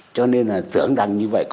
cho nên là tưởng đằng như vậy